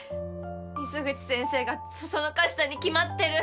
水口先生が唆したに決まってる。